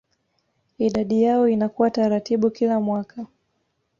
Idadi yao inakuwa taratibu kila mwaka